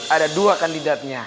ada dua kandidatnya